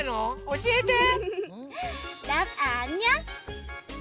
おしえて。